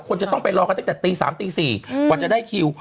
จะต้องไปรอกันตั้งแต่ตี๓ตี๔กว่าจะได้คิว